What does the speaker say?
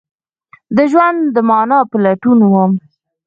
د ژوند د معنی په لټون وم